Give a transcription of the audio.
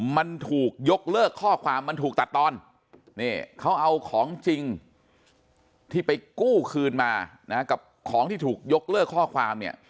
มันถูกยกเลิกข้อความมันถูกตัดตอนนี่เขาเอาของจริงที่ไปกู้คืนมานะกับของที่ถูกยกเลิกข้อความเนี่ย